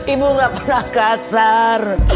ibu gak pernah kasar